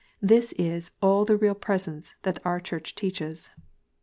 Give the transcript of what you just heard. This is all the real presence that our Church teaches."